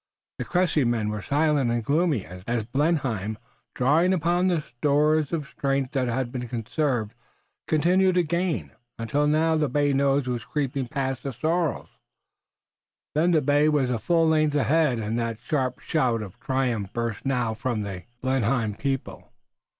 The Cressy men were silent and gloomy, as Blenheim, drawing upon the stores of strength that had been conserved, continued to gain, until now the bay nose was creeping past the sorrel. Then the bay was a full length ahead and that sharp shout of triumph burst now from the Blenheim people.